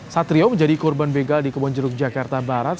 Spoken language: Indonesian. satrio menjadi korban begal di kebonjeruk jakarta barat